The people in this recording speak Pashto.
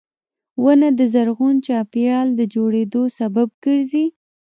• ونه د زرغون چاپېریال د جوړېدو سبب ګرځي.